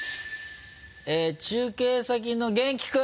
中継先の元気君！